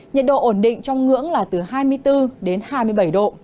nhiệt độ ổn định trong ngưỡng là từ hai mươi bốn đến hai mươi bảy độ